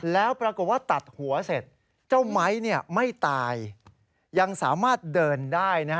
แล้วปรากฏว่าตัดหัวเสร็จเจ้าไม้ไม่ตายยังสามารถเดินได้